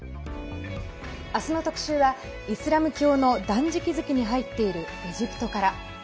明日の特集はイスラム教の断食月に入っているエジプトから。